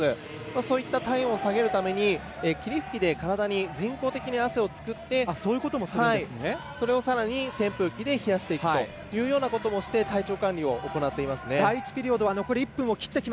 そういった体温を下げるために霧吹きで体に人工的に汗を作ってそれをさらに扇風機で冷やしていくということもして体調管理を行っています。